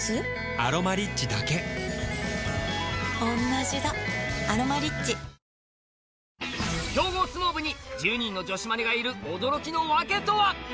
「アロマリッチ」だけおんなじだ「アロマリッチ」強豪相撲部に１０人の女子マネがいる驚きの訳とは？